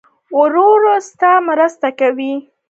ورور ستا مرسته کوي.